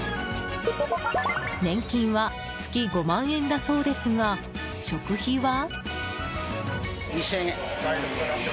年金は月５万円だそうですが食費は？